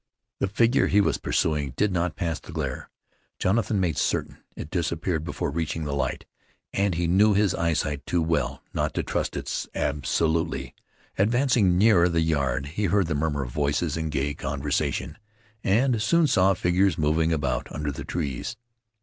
The figure he was pursuing did not pass the glare. Jonathan made certain it disappeared before reaching the light, and he knew his eyesight too well not to trust to it absolutely. Advancing nearer the yard, he heard the murmur of voices in gay conversation, and soon saw figures moving about under the trees.